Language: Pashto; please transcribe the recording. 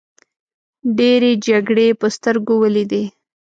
ډیرې جګړې په سترګو ولیدې.